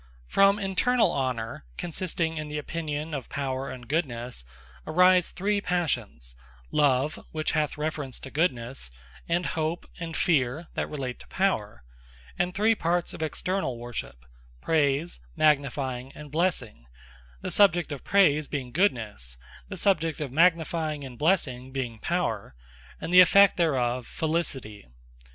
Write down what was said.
Severall Signes Of Honour From internall Honour, consisting in the opinion of Power and Goodnesse, arise three Passions; Love, which hath reference to Goodnesse; and Hope, and Fear, that relate to Power: And three parts of externall worship; Praise, Magnifying, and Blessing: The subject of Praise, being Goodnesse; the subject of Magnifying, and Blessing, being Power, and the effect thereof Felicity.